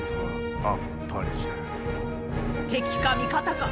敵か味方か